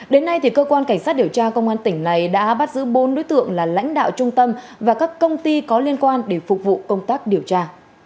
đến nay cơ quan cảnh sát điều tra công an tỉnh này đã bắt giữ bốn đối tượng là lãnh đạo trung tâm và các công ty có liên quan để phục vụ công tác điều tra